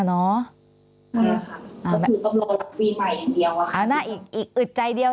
ใช่ครับค่ะก็ถือก็รอรับรสฟรีใหม่อย่างเดียว